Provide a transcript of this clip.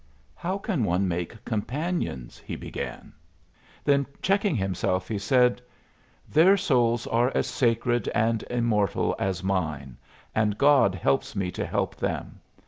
"How can one make companions " he began; then, checking himself, he said: "Their souls are as sacred and immortal as mine, and God helps me to help them.